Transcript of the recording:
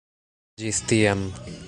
Ĝis tiam.